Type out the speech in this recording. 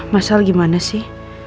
masal gimana sih